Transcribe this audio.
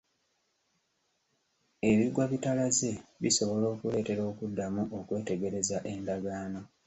Ebigwa bitalaze bisobola okuleetera okuddamu okwetegereza endagaano.